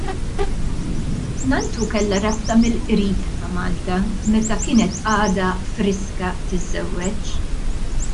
Nanntu kellha rabta mill-qrib ma' Malta meta kienet għadha friska tiżżewweġ.